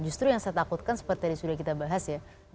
justru yang saya takutkan seperti tadi sudah kita bahas ya